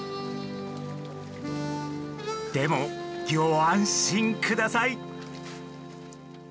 でもギョ安心ください！